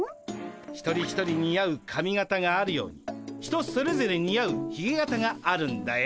一人一人似合う髪形があるように人それぞれ似合うひげ形があるんだよ。